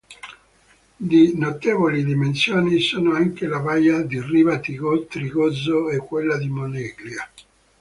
Di notevoli dimensioni sono anche la baia di Riva Trigoso e quella di Moneglia.